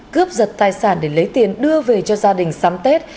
cướp giật tài sản để lấy tiền đưa về cho gia đình sắm tết